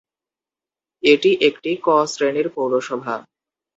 এটি একটি 'ক' শ্রেণীর পৌরসভা।